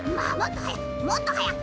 もっとはやく！